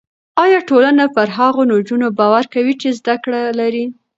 ایا ټولنه پر هغو نجونو باور کوي چې زده کړه لري؟